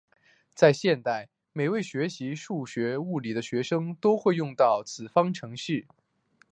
在现代每位学习数学物理的学生都会学到此方程式。